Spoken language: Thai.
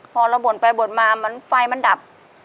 พอเราบ่นไปบ่นมาไฟมันดับ